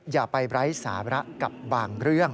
อย่าไปไร้สาระกับบางเรื่อง